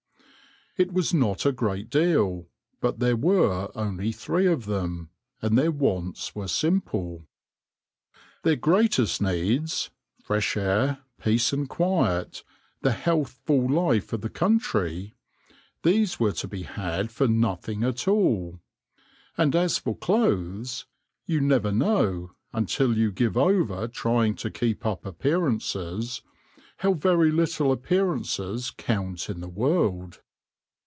It was not a great deal, but there were only three of them, and their wants were simple. Their greatest needs — fresh air, peace and quiet, the health ful life of the country — these were to be had for nothing at all. And as for clothes — you never know, until you give over trying to keep up appearances, how very little appearances count in the world.